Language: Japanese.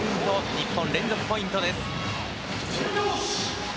日本、連続ポイントです。